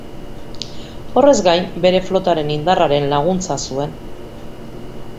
Horrez gain, bere flotaren indarraren laguntza zuen.